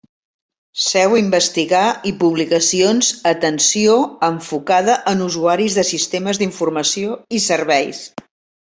Seu investigar i publicacions atenció enfocada en usuaris de sistemes d'informació i serveis.